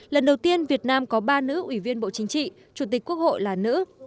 lần đầu tiên việt nam có ba nữ ủy viên bộ chính trị chủ tịch quốc hội là nữ